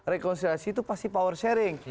rekonsiliasi itu pasti power sharing